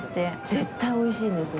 絶対おいしいんですよ。